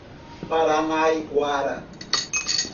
Paranaiguara